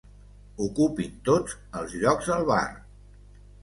Ocupin tots els llocs al bar.